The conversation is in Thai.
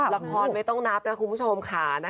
ละครไม่ต้องนับนะคุณผู้ชมค่ะ